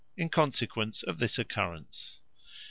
In consequence of this occurrence.